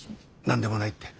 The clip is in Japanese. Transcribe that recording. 何でもないって。